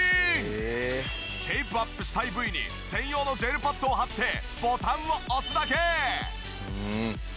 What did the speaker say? シェイプアップしたい部位に専用のジェルパッドを貼ってボタンを押すだけ！